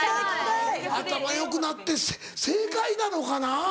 ・頭良くなって正解なのかな？